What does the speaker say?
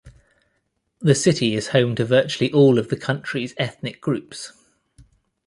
The city is home to virtually all of the country's ethnic groups.